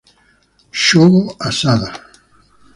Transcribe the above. Shogo Asada